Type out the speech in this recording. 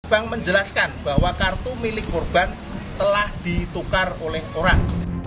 bank menjelaskan bahwa kartu milik korban telah ditukar oleh orang